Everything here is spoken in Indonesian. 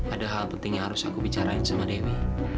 ada hal penting yang harus aku bicarain sama dewi